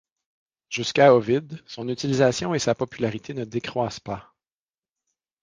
Jusqu'à Ovide, son utilisation et sa popularité ne décroissent pas.